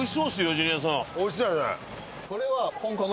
ジュニアさんおいしそうやね